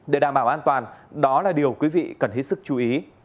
để đảm bảo an toàn đó là điều quý vị cần hết sức chú ý